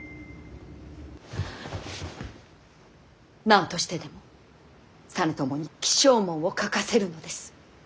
何としてでも実朝に起請文を書かせるのです。